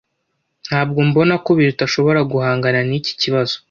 Ntabwo mbona ko Biruta ashobora guhangana niki kibazo.